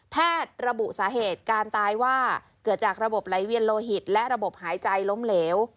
แพทย์ระบุสาเหตุการตายว่าเกิดจากระบบไหลเวียนโลหิตและระบบหายใจล้มเหลว